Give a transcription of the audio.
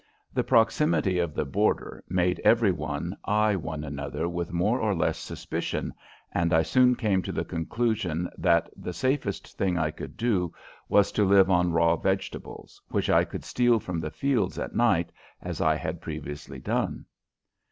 The proximity of the border made every one eye one another with more or less suspicion, and I soon came to the conclusion that the safest thing I could do was to live on raw vegetables, which I could steal from the fields at night as I had previously done.